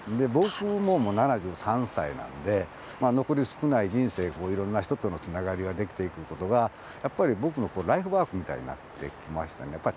僕ももう７３歳なんで、残り少ない人生、いろんな人とのつながりができていくことが、やっぱり僕のライフワークみたいになってきましたね。